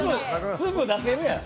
すぐ出せるやん。